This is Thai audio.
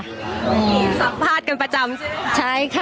สัมภาษณ์กันประจำใช่ค่ะ